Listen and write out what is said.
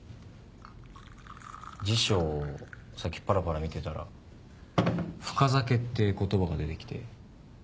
辞書をさっきパラパラ見てたら「深酒」って言葉が出て来て。